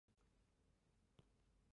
到了山顶超冷